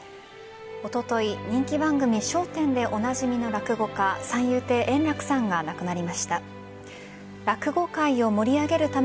おととい、人気番組「笑点」でおなじみの落語家三遊亭円楽さんが亡くなりました。